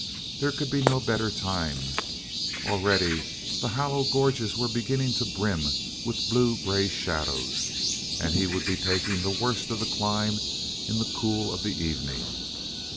There could be no better time. Already the hollow gorges were beginning to brim with blue grey shadows and he would be taking the worst of the climb in the cool of the evening.